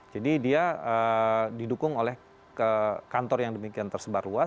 jadi dia didukung oleh kantor yang demikian tersebar luas